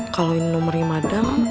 kalo ini nomernya madam